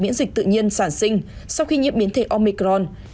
miễn dịch tự nhiên sản sinh sau khi nhiễm biến thể omicron